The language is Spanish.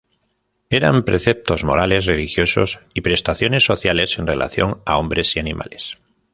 Eran preceptos morales, religiosos y prestaciones sociales en relación a hombres y animales.